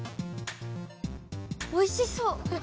おいしそう。